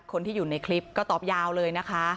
คนที่อยู่ในคลิปก็ตอบยาวเลยนะคะ